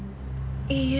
いいえ。